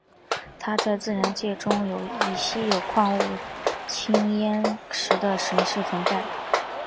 它在自然界中以稀有矿物羟铟石的形式存在。